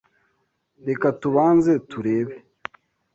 Reka tubanze turebe.